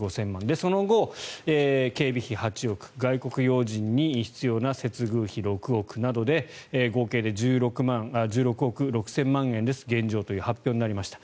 その後、警備費８億円外国要人に必要な接遇費６億円などで合計で１６億６０００万円です現状という発表になりました。